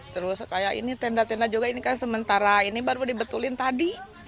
terus kayak ini tenda tenda juga ini kan sementara ini baru dibetulin tadi